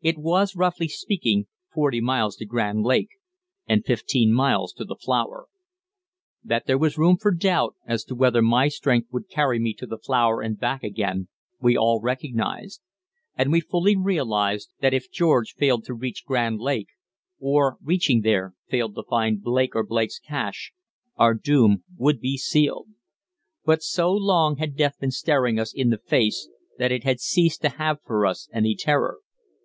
It was, roughly speaking, forty miles to Grand Lake, and fifteen miles to the flour. That there was room for doubt as to whether my strength would carry me to the flour and back again, we all recognised; and we fully realised, that if George failed to reach Grand Lake, or, reaching there, failed to find Blake or Blake's cache, our doom would be sealed; but so long had death been staring us in the face that it had ceased to have for us any terror.